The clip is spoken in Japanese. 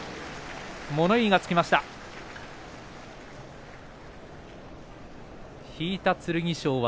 物言いがつきました。